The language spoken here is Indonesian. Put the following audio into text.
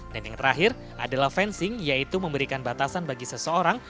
dan yang terakhir adalah fencing yaitu memberikan batasan bagi seseorang